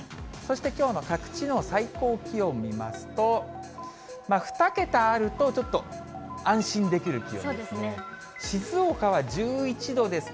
そしてきょうの各地の最高気温見ますと、２桁あると、ちょっと安心できる気温ですね。